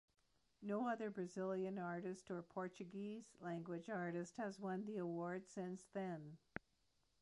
No other Brazilian artist or Portuguese-language artist has won the award since then.